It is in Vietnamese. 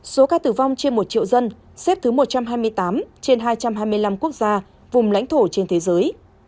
số ca tử vong trên một triệu dân xếp thứ một trăm hai mươi tám trên hai trăm hai mươi năm quốc gia vùng lãnh thổ trên thế giới